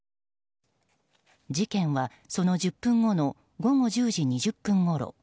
事件は、その１０分後の午後１０時２０分ごろ。